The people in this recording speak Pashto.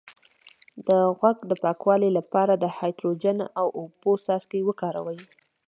د غوږ د پاکوالي لپاره د هایدروجن او اوبو څاڅکي وکاروئ